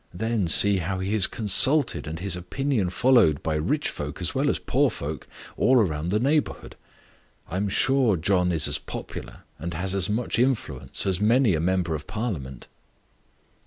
Then, see how he is consulted, and his opinion followed, by rich folk as well as poor folk, all about the neighbourhood. I am sure John is as popular, and has as much influence, as many a member of parliament."